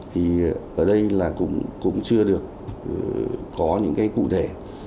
thì ở đây là cũng chưa được có những cái cụ thể